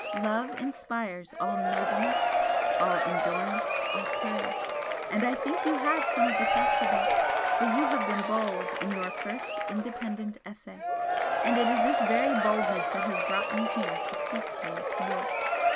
Love inspires all nobleness, all endurance, all courage, and I think you have some of its attributes, for you have been bold in your first independent essay and it is this very boldness that has brought me here to speak to you to night.